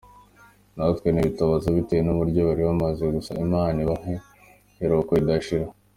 Ntawe bitababaza bitewe nuburyo bari bameze, gusa Imana ibahe iruhuko ridashira.